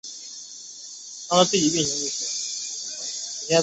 以前的电梯是需要人操作的。